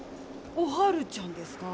おはるちゃんですか？